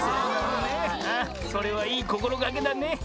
それはいいこころがけだね。